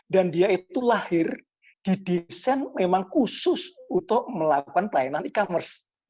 dan dia itu lahir di desain memang khusus untuk melakukan pelayanan e commerce